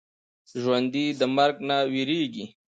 ژوندي د مرګ نه وېرېږي